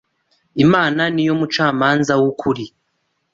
Imana niyo mucamanza w’ukuri